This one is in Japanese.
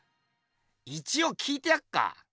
一おう聞いてやっか。